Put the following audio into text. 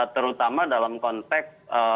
terutama dalam konteks